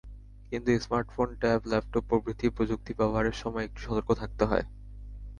কিন্তু smartphone, tab, laptop প্রভৃতি প্রযুক্তি ব্যবহারের সময় একটু সতর্ক থাকতে হয়।